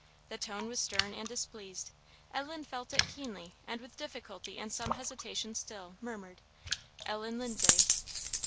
The tone was stern and displeased. Ellen felt it keenly, and with difficulty and some hesitation still, murmured "Ellen Lindsay."